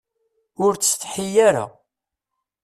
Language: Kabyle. Ur ttsetḥi ara.